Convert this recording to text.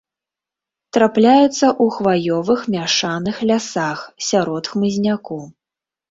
Трапляецца ў хваёвых, мяшаных лясах, сярод хмызняку.